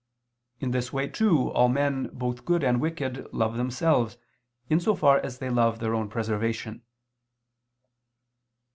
In this way too, all men, both good and wicked, love themselves, in so far as they love their own preservation.